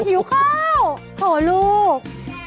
หิวข้าวขอลูก